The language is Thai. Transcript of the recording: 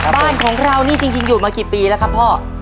บ้านของเรานี่จริงอยู่มากี่ปีแล้วครับพ่อ